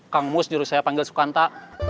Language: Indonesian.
kang mus juru saya panggil sukanta